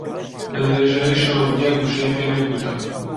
بە درێژایی شەو یەک وشەی پێ نەگوتم.